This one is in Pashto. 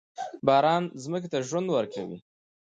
باران ځمکې ته ژوند ورکوي.